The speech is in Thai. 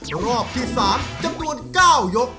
รอบที่๓จำนวน๙ยก